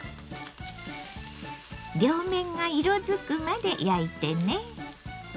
両面が色づくまで焼いてね。